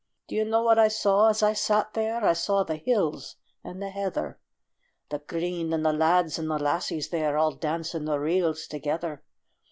Do you know what I saw as I sat there? I saw the hills and the heather, The green, and the lads and the lassies there All dancing the reels together.